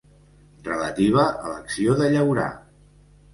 Relativa a l'acció de llaurar.